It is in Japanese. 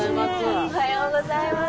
おはようございます。